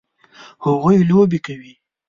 هغوی لوبې کوي